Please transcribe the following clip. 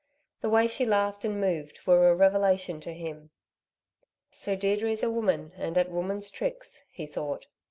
The way she laughed and moved were a revelation to him. "So Deirdre's a woman and at woman's tricks," he thought.